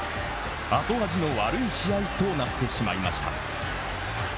後味の悪い試合となってしまいました。